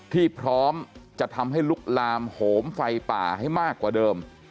ที่พร้อมจะทำให้ลุกลามโหมไฟป่าให้มากกว่าเดิม